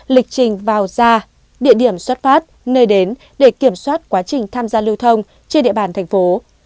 lịch trình vào ra địa điểm xuất phát nơi đến để kiểm soát quá trình tham gia lưu thông trên địa bàn thành phố